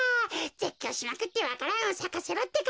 ぜっきょうしまくってわか蘭をさかせろってか。